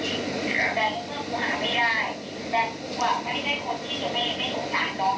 แต่เมื่อครูหาไม่ได้แฟนกูอ่ะไม่ได้คนที่จะไม่สงสารน้อง